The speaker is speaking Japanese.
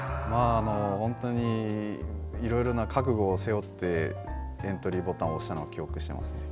本当にいろいろな覚悟を背負ってエントリーボタンを押したのを記憶しています。